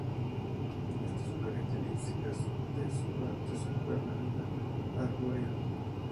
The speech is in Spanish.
Estas son características de su adaptación para la vida arbórea.